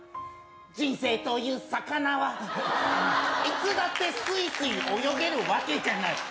人生という魚は、いつだってスイスイ泳げるわけじゃない。